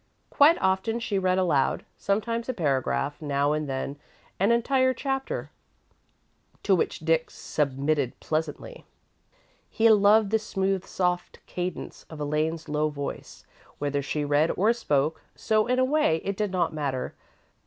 Quite often she read aloud, sometimes a paragraph, now and then an entire chapter, to which Dick submitted pleasantly. He loved the smooth, soft cadence of Elaine's low voice, whether she read or spoke, so, in a way, it did not matter.